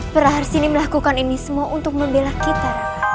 praarsin melakukan ini semua untuk membela kita